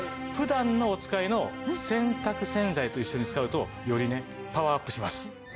普段お使いの洗濯洗剤と一緒に使うとよりねパワーアップします。